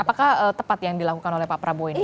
apakah tepat yang dilakukan oleh pak prabowo ini